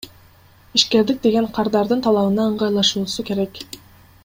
Ишкердик деген кардардын талабына ыңгайлашуусу керек.